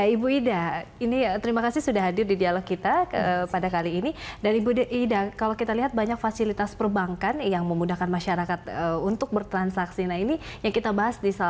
ibu ida nuryanti direktur departemen pengawasan sistem pembayaran bank indonesia